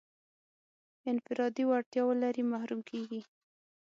انفرادي وړتیا ولري محروم کېږي.